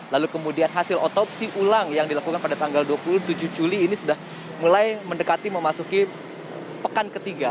lalu kemudian hasil otopsi ulang yang dilakukan pada tanggal dua puluh tujuh juli ini sudah mulai mendekati memasuki pekan ketiga